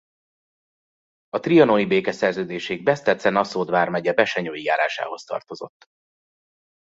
A trianoni békeszerződésig Beszterce-Naszód vármegye Besenyői járásához tartozott.